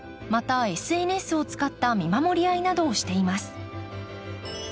またＳＮＳを使った見守り合いなどをしています。